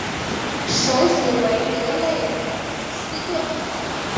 首府为德累斯顿。